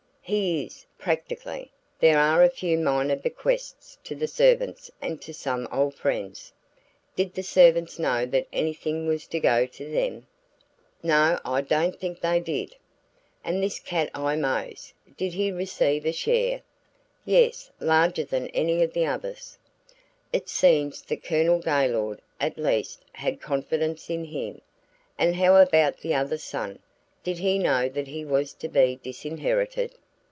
"He is, practically. There are a few minor bequests to the servants and to some old friends." "Did the servants know that anything was to go to them?" "No, I don't think they did." "And this Cat Eye Mose, did he receive a share?" "Yes, larger than any of the others." "It seems that Colonel Gaylord, at least, had confidence in him. And how about the other son? Did he know that he was to be disinherited?"